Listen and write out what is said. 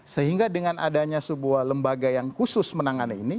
sehingga dengan adanya sebuah lembaga yang khusus menangani ini